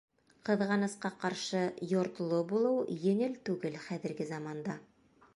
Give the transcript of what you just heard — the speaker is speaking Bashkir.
Ҡыҙғанысҡа ҡаршы, йортло булыу еңел түгел хәҙерге заманда.